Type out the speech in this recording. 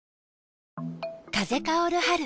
風薫る春。